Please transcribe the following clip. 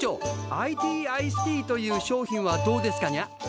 ＩＴアイスティーという商品はどうですかにゃ？